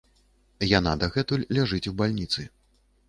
Яна дагэтуль ляжыць у бальніцы.